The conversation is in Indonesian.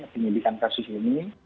penyidikan kasus ini